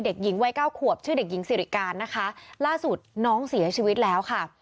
เด็กหญิงวัยเก้าขวบชื่อเด็กหญิงสิริการนะคะล่าสุดน้องเสียชีวิตแล้วค่ะ